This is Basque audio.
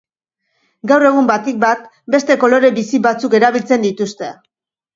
Gaur egun batik bat beste kolore bizi batzuk erabiltzen dituzte.